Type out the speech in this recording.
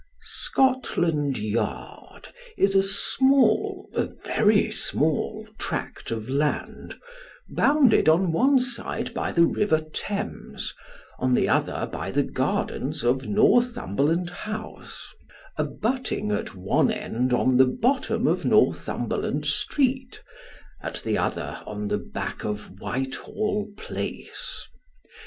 SCOTLAND YARD is a small a very small tract of land, bounded on one side by the river Thames, on the other by the gardens of Northumberland House: abutting at one end on the bottom of Northumberland Street, at the other on tho back of Whitehall Place.